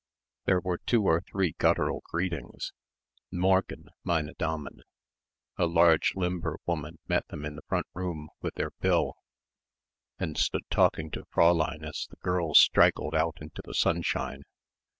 There were two or three guttural greetings "N' Morgen, meine Damen...." A large limber woman met them in the front room with their bill and stood talking to Fräulein as the girls straggled out into the sunshine.